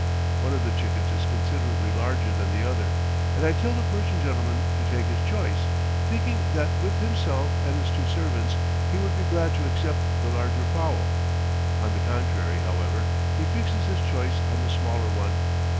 One of the chickens is considerably larger than the other, and I tell the Persian gentleman to take his choice, thinking that with himself and his two servants he would be glad to accept the larger fowl. On the contrary, however, he fixes his choice on the smaller one.